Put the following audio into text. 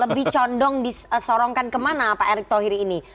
lebih condong disorongkan kemana pak erick thohir ini